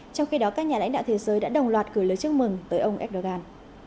trong khi đó các nhà lãnh đạo thế giới đã đồng loạt gửi lời chúc mừng tới ông erdogan